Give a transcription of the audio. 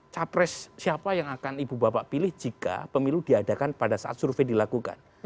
capres siapa yang akan ibu bapak pilih jika pemilu diadakan pada saat survei dilakukan